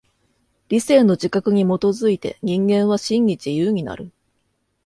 理性の自覚に基づいて人間は真に自由になる。